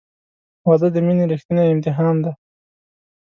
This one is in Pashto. • واده د مینې ریښتینی امتحان دی.